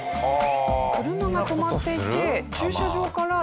車が止まっていて駐車場から出られません。